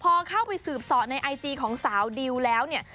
พอเข้าไปสืบสอในไอจีของสาวดิวแล้วเนี่ย